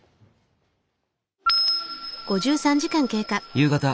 夕方。